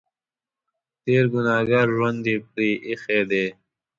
تېر ګنهګار ژوند یې پرې اېښی دی.